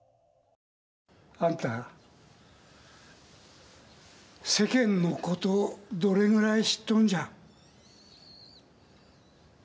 あんた、世間のことどれくらい知っとるんじゃ？